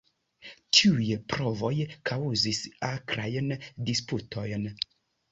Tiuj provoj kaŭzis akrajn disputojn.